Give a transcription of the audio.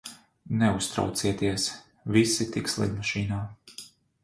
Neuztraucieties, visi tiks lidmašīnā.